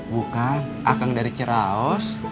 bukan akang dari ceraos